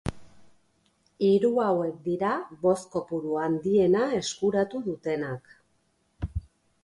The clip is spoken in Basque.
Hiru hauek dira boz-kopuru handiena eskuratu dutenak.